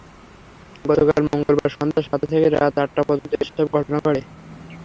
গতকাল মঙ্গলবার সন্ধ্যা সাতটা থেকে রাত আটটা পর্যন্ত এসব ঘটনা ঘটে।